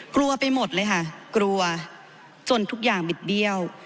กลัวไปหมดเลยค่ะกลัวจนทุกอย่างบิดเบี้ยว